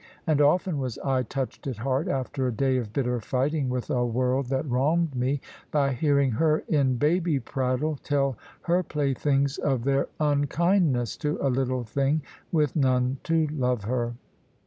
And often was I touched at heart, after a day of bitter fighting with a world that wronged me, by hearing her in baby prattle tell her playthings of their unkindness to a little thing with none to love her.